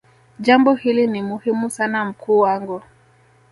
jambo hili ni muhimu sana mkuu wangu